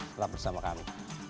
selamat bersama kami